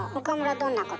どんなこと？